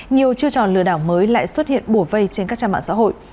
nhiều chưa tròn lừa đảo mới lại xuất hiện bổ vây trên các trang mạng xã hội